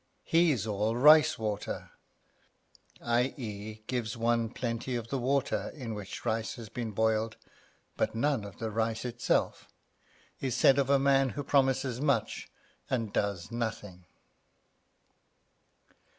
He's all rice water, i.e., gives one plenty of the water in which rice has been boiled, but none of the rice itself, is said of a man who promises much and does nothing.